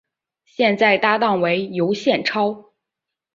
现在搭档为尤宪超。